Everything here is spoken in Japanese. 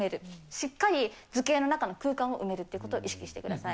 しっかり図形の中の空間を埋めるってことを意識してください。